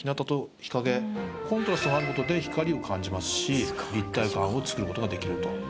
コントラストがあることで光を感じますし立体感を作ることができると。